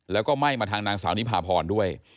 แล้วก็ไหม้มาทางนางสาวนิพาพรด้วย